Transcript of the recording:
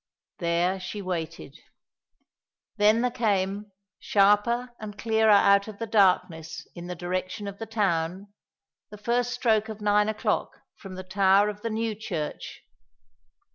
There she waited. Then there came, sharper and clearer out of the darkness in the direction of the town, the first stroke of nine o'clock from the tower of the new church.